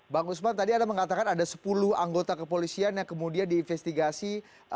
bang usman tadi anda mengatakan ada sepuluh anggota kepolisian yang kemudian diinvestigasi